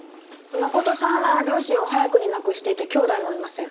真琴さんは両親を早くに亡くしていて兄弟もいません。